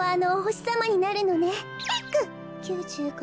９５。